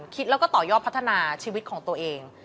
คิดแล้วก็ต่อยอดพัฒนาชีวิตของตัวเอง